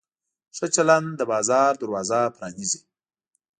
ښه چلند د بازار دروازه پرانیزي.